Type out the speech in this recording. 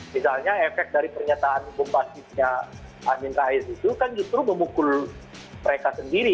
misalnya efek dari pernyataan bengpas di situ itu kan justru memukul mereka sendiri